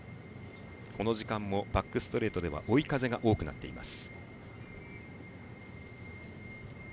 この時間もバックストレートでは追い風が多くなっています。